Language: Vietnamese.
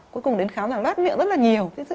cuối cùng đến khám là bát miệng rất là nhiều